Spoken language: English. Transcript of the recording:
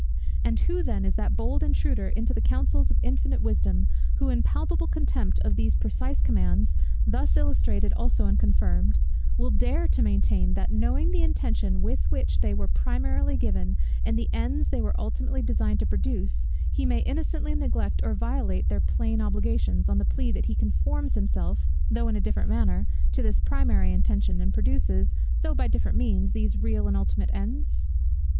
And who then is that bold intruder into the counsels of infinite wisdom, who, in palpable contempt of these precise commands, thus illustrated also and confirmed, will dare to maintain that, knowing the intention with which they were primarily given and the ends they were ultimately designed to produce, he may innocently neglect or violate their plain obligations; on the plea that he conforms himself, though in a different manner, to this primary intention, and produces, though by different means, these real and ultimate ends?